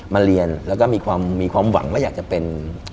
มาเรียนแล้วก็มีความหวังว่าอยากจะเป็น